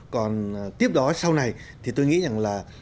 còn tiếp đó sau này thì tôi nghĩ rằng là